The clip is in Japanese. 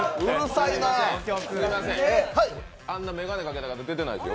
すみません、あんな眼鏡かけた方、出てないですよ。